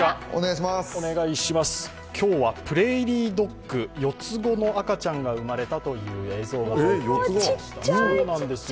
今日は、プレーリードッグ４つ子の赤ちゃんが生まれたという映像です。